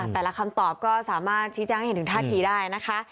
แต่ละคำตอบก็สามารถชิดย้างให้ถึงท่าทีได้นะคะ